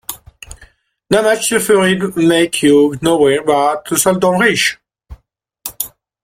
Damage suffered makes you knowing, but seldom rich.